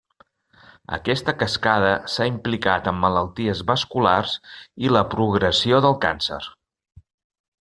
Aquesta cascada s'ha implicat en malalties vasculars i la progressió del càncer.